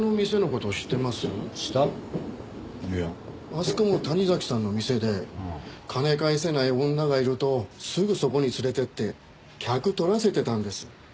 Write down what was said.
あそこも谷崎さんの店で金返せない女がいるとすぐそこに連れて行って客取らせてたんです。